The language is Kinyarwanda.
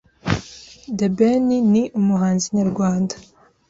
The Ben ni umuhanzi nyarwanda